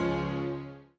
sampai jumpa lagi